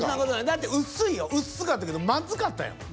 だって薄いよ薄かったけどまずかったんやもん。